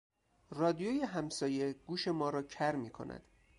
رادیوی همسایه گوش ما را کر میکند.